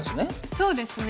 そうですね。